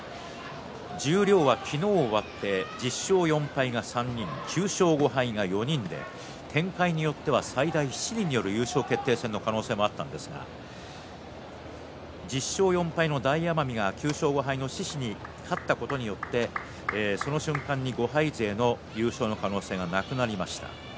十両は昨日、終わって１０勝４敗が３人に９勝５敗が４人で展開によっては最大７人による優勝決定戦の可能性もありましたが１０勝４敗の大奄美が９勝５敗の獅司に勝ったことによってその瞬間５敗での優勝の可能性がなくなりました。